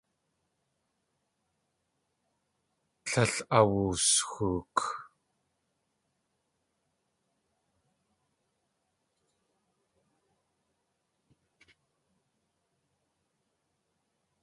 Tlél awusxook.